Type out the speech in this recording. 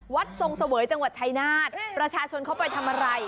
ทรงเสวยจังหวัดชายนาฏประชาชนเขาไปทำอะไร